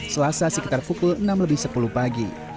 selasa sekitar pukul enam lebih sepuluh pagi